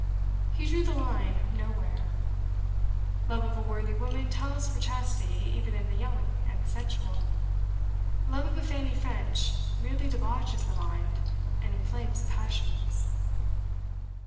He drew the line nowhere. Love of a worthy woman tells for chastity even in the young and the sensual; love of a Fanny French merely debauches the mind and inflames the passions.